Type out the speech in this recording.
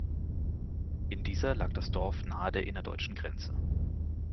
In dieser lag das Dorf nahe der innerdeutschen Grenze.